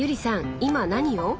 今何を？